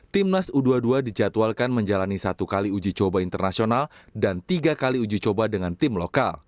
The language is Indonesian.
timnas u dua puluh dua dijadwalkan menjalani satu kali uji coba internasional dan tiga kali uji coba dengan tim lokal